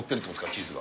チーズが。